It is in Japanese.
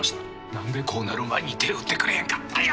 何でこうなる前に手打ってくれんかったんや。